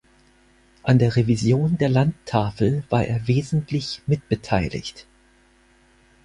An der Revision der Landtafel war er wesentlich mitbeteiligt.